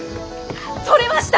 取れました！